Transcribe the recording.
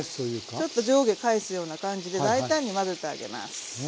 ちょっと上下返すような感じで大胆に混ぜてあげます。